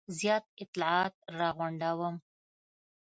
زیات اطلاعات را غونډوم.